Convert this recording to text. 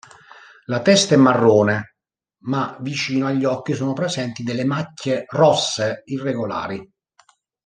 La testa è marrone, ma vicino agli occhi sono presenti delle macchie rosse irregolari.